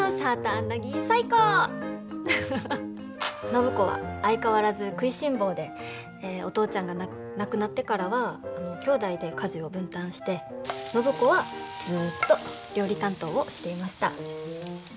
暢子は相変わらず食いしん坊でお父ちゃんが亡くなってからはきょうだいで家事を分担して暢子はずっと料理担当をしていました。